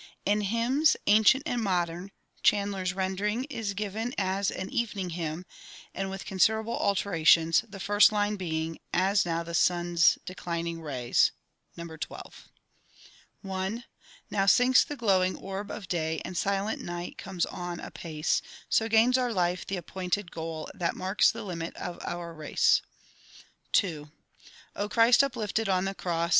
In "Hymns Ancient and Modern" Chandler's rendering is given as an evening hymn, and with considerable alterations, the first line being, "As now the sun's declining rays" (No. 12). I Now sinks the glowing orb of day, And silent night comes on apace; So gains our life the appointed goal, That marks the limit of our race. II O Christ, uplifted on the Cross!